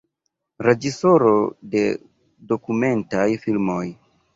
Reĝisoro de dokumentaj filmoj.